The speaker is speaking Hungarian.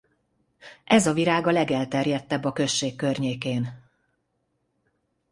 Ez a virág a legelterjedtebb a község környékén.